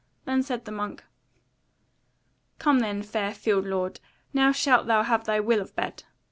Then said the monk: "Come then, fair field lord, now shalt thou have thy will of bed."